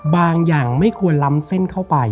อย่างไม่ควรล้ำเส้นเข้าไป